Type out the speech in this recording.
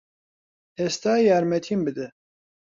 ئێستا یارمەتیم بدە.